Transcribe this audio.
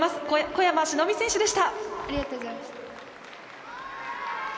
小山史乃観選手でした。